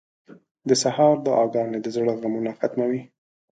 • د سهار دعاګانې د زړه غمونه ختموي.